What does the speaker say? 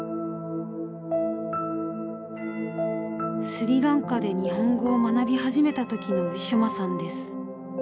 スリランカで日本語を学び始めた時のウィシュマさんです。